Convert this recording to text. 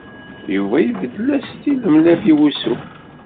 Yuba ibeddel-as tilemlaf i wusu.